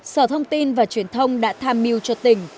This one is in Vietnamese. sở thông tin và truyền thông đã tham mưu cho tỉnh